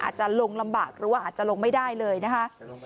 อาจจะลงลำบากหรือว่าอาจจะลงไม่ได้เลยนะคะ